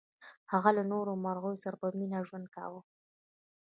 هغه له نورو مرغیو سره په مینه ژوند کاوه.